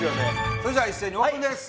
それじゃあ一斉にオープンです。